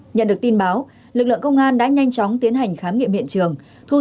nhận được tin báo lực lượng công an đã nhanh chóng tiến hành khám nghiệm hiện trường